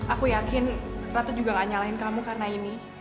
aku yakin ratu juga gak nyalahin kamu karena ini